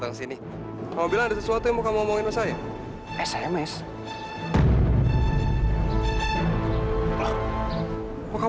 handphone saya kok gak ada ya pak